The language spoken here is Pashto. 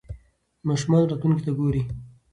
ماشومان راتلونکې ته ګوري.